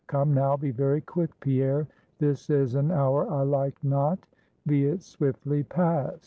Come now, be very quick, Pierre; this is an hour I like not; be it swiftly past."